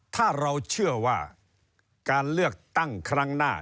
ถ้าเราเชื่อว่าการเลือกตั้งครั้งหน้า